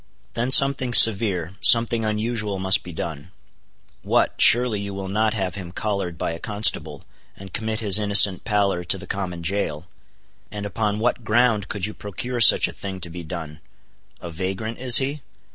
Then something severe, something unusual must be done. What! surely you will not have him collared by a constable, and commit his innocent pallor to the common jail? And upon what ground could you procure such a thing to be done?—a vagrant, is he?